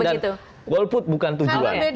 dan golput bukan tujuan